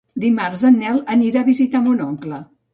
Dimarts en Nel anirà a visitar mon oncle.